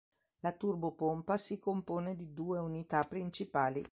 La turbopompa si compone di due unità principali.